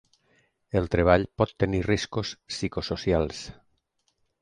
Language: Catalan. El teletreball pot tenir riscos psicosocials.